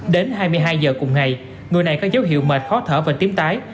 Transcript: đến hai mươi hai giờ cùng ngày người này có dấu hiệu mệt khó thở và tím tái